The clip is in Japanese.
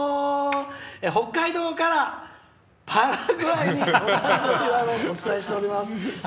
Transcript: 北海道からパラグアイにお伝えしています！